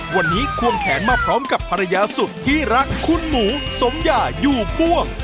วันนี้ควงแขนมาพร้อมกับภรรยาสุดที่รักคุณหมูสมยาอยู่พ่วง